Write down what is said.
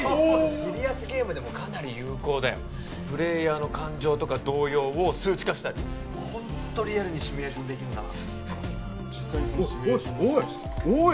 シリアスゲームでもかなり有効だよプレイヤーの感情とか動揺を数値化したりホントリアルにシミュレーションできるなおっおいおいおい！